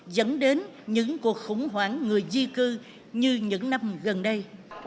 dẫn đến những cuộc khủng hoảng người di cư như những năm gần đây